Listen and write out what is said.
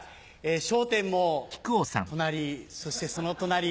『笑点』も隣そしてその隣。